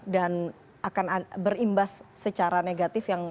akan berimbas secara negatif yang